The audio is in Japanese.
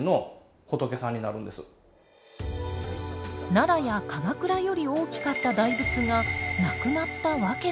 奈良や鎌倉より大きかった大仏が無くなったわけとは。